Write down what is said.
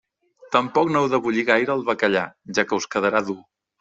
Tampoc no heu de bullir gaire el bacallà, ja que us quedarà dur.